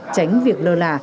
tránh việc lơ là